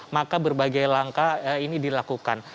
maka berbagai langkah ini dilakukan